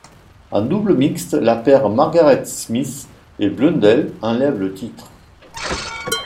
En double mixte, la paire Margaret Smith et Blundell enlève le titre.